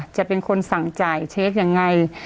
จะเป็นคนสั่งจ่ายเช็คยังไง